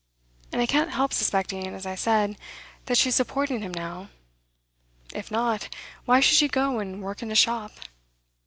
And I can't help suspecting, as I said, that she's supporting him now. If not, why should she go and work in a shop?